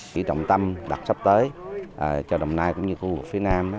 cái trọng tâm đặt sắp tới cho đồng nai cũng như khu vực phía nam